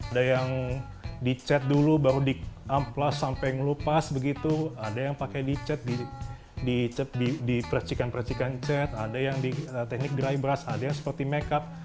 ada yang dicet dulu baru di amplas sampai ngelupas begitu ada yang pakai dicet dipercikan percikan cet ada yang di teknik dry brush ada yang seperti make up